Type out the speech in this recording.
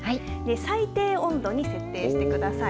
最低温度に設定してください。